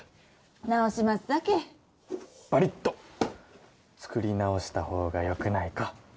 直しますさけバリッと作り直したほうがよくないか？